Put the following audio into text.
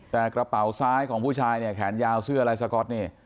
แต่กระเป๋าซ้ายของผู้ชายเนี่ยแขนยาวเสื้ออะไรสก๊อตนี่